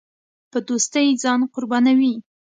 په دوستۍ ځان قربانوي.